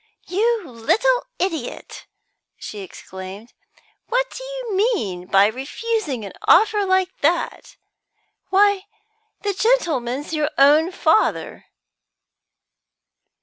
"You little idjot!" she exclaimed. "What do you mean by refusing a offer like that! Why, the gentleman's your own father."